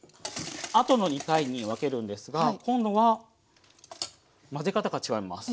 あとの２回に分けるんですが今度は混ぜ方が違います。